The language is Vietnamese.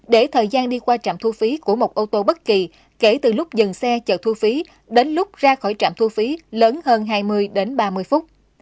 để thời gian đi qua trạm thu phí của một ô tô bất kỳ kể từ lúc dừng xe chở thu phí đến lúc ra khỏi trạm thu phí lớn hơn hai mươi đến ba mươi phút